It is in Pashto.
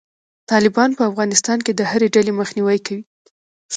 طالبان به په افغانستان کې د هري ډلې مخنیوی کوي.